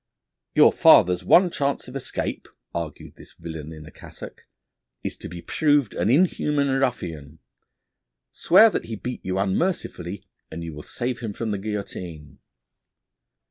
'Your father's one chance of escape,' argued this villain in a cassock, 'is to be proved an inhuman ruffian. Swear that he beat you unmercifully and you will save him from the guillotine.'